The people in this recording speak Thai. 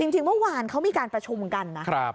จริงเมื่อวานเขามีการประชุมกันนะ